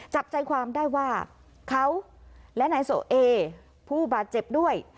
จับใจความได้ว่าเขาและนายโสเอผู้บาดเจ็บด้วย